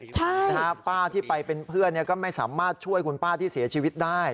ใช่นะฮะป้าที่ไปเป็นเพื่อนก็ไม่สามารถช่วยคุณป้าที่เสียชีวิตได้